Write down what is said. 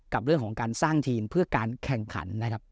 กับเรื่องของการสร้างทีมเพื่อการแข่งขันนะครับ